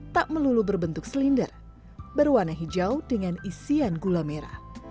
tak melulu berbentuk selinder berwarna hijau dengan isian gula merah